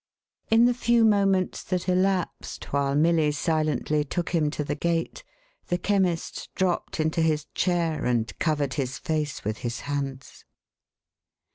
A CHERISHED MEMORY. 531 In the few moments that elapsed, while Milly silently took him to the gate, the Chemist dropped into his chair, and covered his face with his hands.